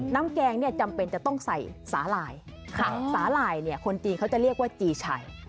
น้ำแกงจำเป็นจะต้องใสสาหลายสาหลายคนจีนเขาจะเรียกว่าจีชัย